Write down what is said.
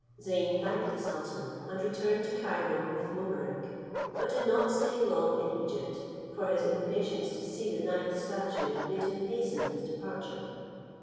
Zeyn thanked the sultan, and returned to Cairo with Mobarec, but did not stay long in Egypt, for his impatience to see the ninth statue made him hasten his departure.